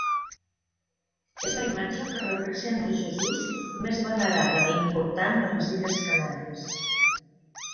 És la imatge que representa Jesús més venerada i important de les Illes Canàries.